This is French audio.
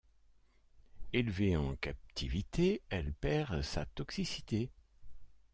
Élevée en captivité, elle perd sa toxicité.